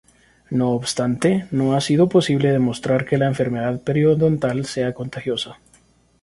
No obstante, no ha sido posible demostrar que la enfermedad periodontal sea contagiosa.